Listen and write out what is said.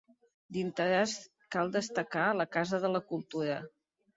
D'interès cal destacar la Casa de la Cultura.